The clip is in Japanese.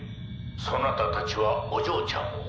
そなたたちはお嬢ちゃんを。